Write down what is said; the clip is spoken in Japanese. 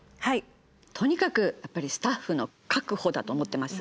とにかくやっぱりスタッフの確保だと思ってます。